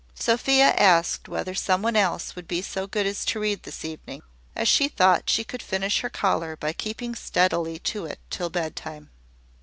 Sophia asked whether some one else would be so good as to read this evening, as she thought she could finish her collar by keeping steadily to it till bedtime.